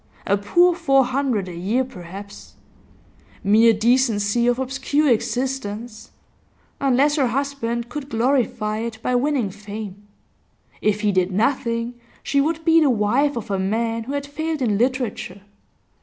A poor four hundred a year, perhaps; mere decency of obscure existence, unless her husband could glorify it by winning fame. If he did nothing, she would be the wife of a man who had failed in literature.